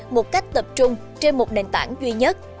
một cách tập trung trên một nền tảng duy nhất